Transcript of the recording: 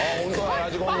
ラジコンだ。